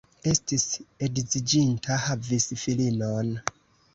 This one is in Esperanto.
Estis edziĝinta, havis filinon.